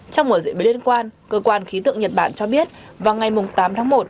trong một diễn biến liên quan cơ quan khí tượng nhật bản cho biết vào ngày tám tháng một